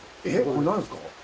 これ何ですか？